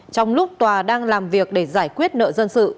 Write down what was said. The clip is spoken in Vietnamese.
trong lúc tòa đang làm việc để giải quyết nợ dân sự